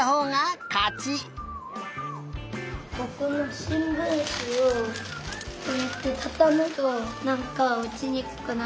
ここのしんぶんしをこうやってたためばなんかおちにくくなってやりやすい。